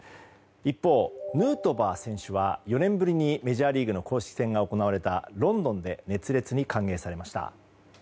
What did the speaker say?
一方、ヌートバー選手は４年ぶりにメジャーリーグの公式戦が行われたロンドンで熱烈に歓迎されました。